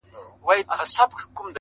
له هيبته به يې تښتېدل پوځونه؛